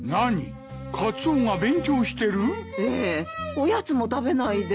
おやつも食べないで。